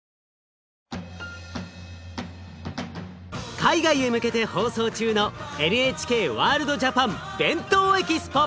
海外へ向けて放送中のＮＨＫワールドＪＡＰＡＮ「ＢＥＮＴＯＥＸＰＯ」！